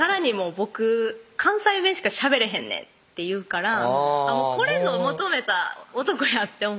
「僕関西弁しかしゃべれへんねん」って言うからこれぞ求めた男やって思ってほんまやね